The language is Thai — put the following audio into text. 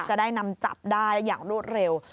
จะได้นำจับได้อย่างรวดเร็ว